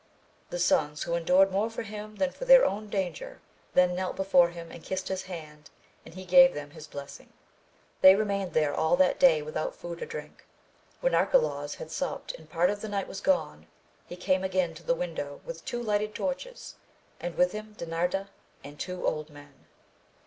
The sons who endured more for him than for their own danger then knelt before him and kissed his hand, and he gave them his blessing. They remained there all that day without food or drink. When Arcalaus had supped and part of the night was gone, he came again to the window with two lighted torches, and with him Dinarda and two old men.